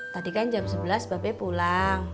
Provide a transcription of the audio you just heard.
tadi kan jam sebelas mbak be pulang